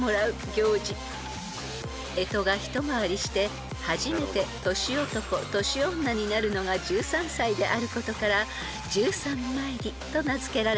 ［干支が一回りして初めて年男・年女になるのが１３歳であることから十三詣りと名付けられたそうです］